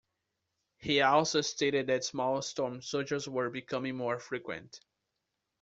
He also stated that small storm surges were becoming more frequent.